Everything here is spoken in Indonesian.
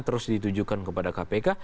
terus ditujukan kepada kpk